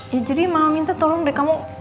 ya jadi mama minta tolong deh kamu